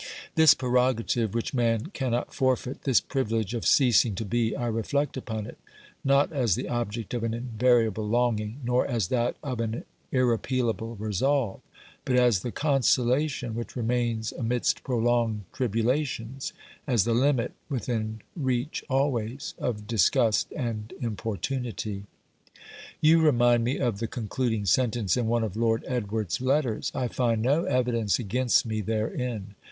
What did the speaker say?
This prerogative which man cannot forfeit, this privilege of ceasing to be, I reflect upon it, not as the object of an invariable longing, nor as that of an irrepealable resolve, but as the consolation which remains amidst prolonged tribulations, as the limit, within reach always, of disgust and importunity. You remind me of the concluding sentence in one of Lord Edward's letters. I find no evidence against me therein.